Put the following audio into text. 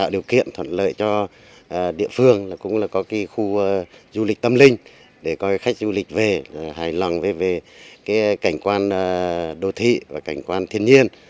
địa phương cũng có khu du lịch tâm linh để có khách du lịch về hài lòng về cảnh quan đô thị và cảnh quan thiên nhiên